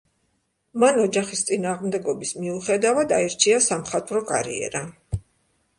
მან ოჯახის წინააღმდეგობის მიუხედავად აირჩია სამხატვრო კარიერა.